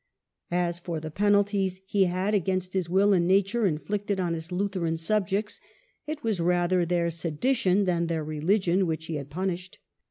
As for the penalties he had, against his will and nature, inflicted on his Lutheran subjects, it was rather their sedi tion than their religion which he had punished.